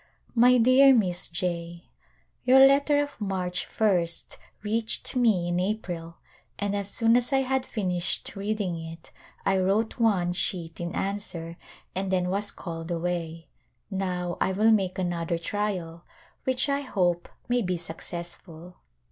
My dear Miss J : Your letter of March 1st reached me in April and as soon as I had finished reading it I wrote one sheet in answer and then was called away ; now I will make another trial which I hope may be suc cessful.